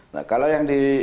nah kalau yang di